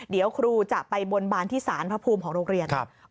เดี๋ยวครูจะไปบนบานที่สารพระภูมิของโรงเรียน